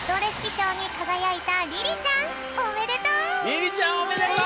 リリちゃんおめでとう！